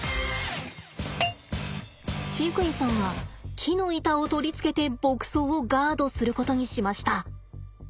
飼育員さんは木の板を取り付けて牧草をガードすることにしました。